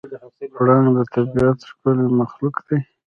پړانګ د طبیعت ښکلی مخلوق دی.